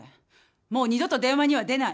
もう二度と電話には出ない。